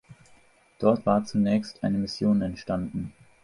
Dort war zunächst eine Mission entstanden.